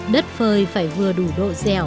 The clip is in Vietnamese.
đất phơi phải vừa đủ độ dẻo bởi nếu để đất khô quá